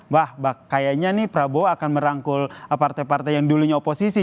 wah kayaknya nih prabowo akan merangkul partai partai yang dulunya oposisi